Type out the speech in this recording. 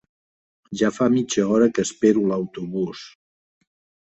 Ja fa mitja hora que espero l'autobús.